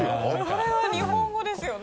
あれは日本語ですよね？